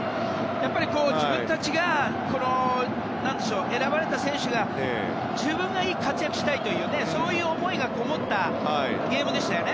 やっぱり選ばれた選手が自分がいい活躍をしたいという思いがこもったゲームでしたよね。